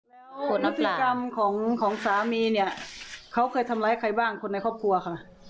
แล้วผลิกรรมของสามีเนี่ยเขาเคยทำร้ายใครบ้างคนในครอบครัวค่ะ